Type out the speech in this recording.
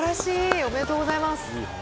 おめでとうございます。